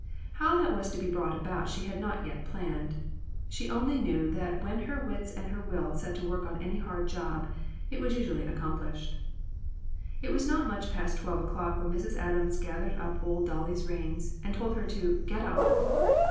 How that was to be brought about she had not yet planned. She only knew that when her wits and her will set to work on any hard job, it was usu ally accomplished. It was not much past twelve o'clock when Mrs. Adams gathered up old Dolly's reins and told her to "get up."